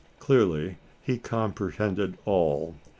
Clearly he comprehended all!